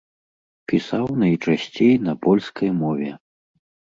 Пісаў найчасцей на польскай мове.